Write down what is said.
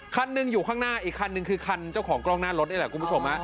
คันหนึ่งอยู่ข้างหน้าอีกคันนึงคือคันเจ้าของกล้องหน้ารถนี่แหละคุณผู้ชม